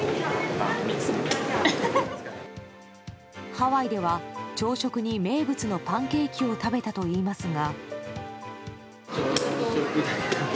ハワイでは、朝食に名物のパンケーキを食べたといいますが。